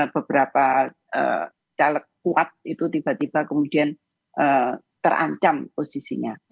beberapa caleg kuat itu tiba tiba kemudian terancam posisinya